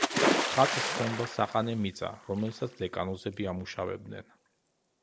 ხატს ჰქონდა საყანე მიწა, რომელსაც დეკანოზები ამუშავებდნენ.